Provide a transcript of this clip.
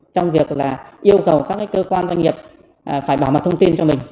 trong việc là yêu cầu các cơ quan doanh nghiệp phải bảo mật thông tin cho mình